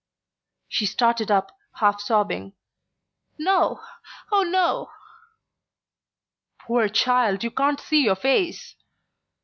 She started up, half sobbing. "No oh, no!" "Poor child you can't see your face!"